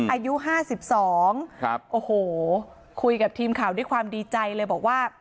อายุ๕๒ครับโอ้โหคุยกับทีมข่าวด้วยความดีใจเลยบอกว่า